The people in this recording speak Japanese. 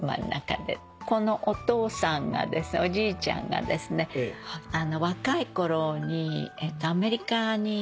このお父さんがですねおじいちゃんがですね若いころにアメリカに。